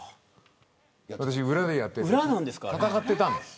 私、裏でやってたんです。